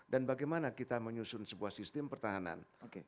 dan bagaimana kita menyusun sebuah sistem pertahanan